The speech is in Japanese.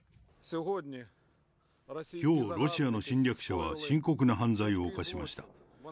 きょう、ロシアの侵略者は深刻な犯罪を犯しました。